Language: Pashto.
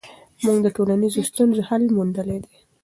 موږ د ټولنیزو ستونزو حل موندلی دی.